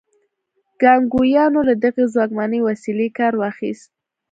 کانګویانو له دغې ځواکمنې وسیلې کار واخیست.